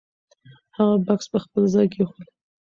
هغه بکس په خپل ځای کېښود.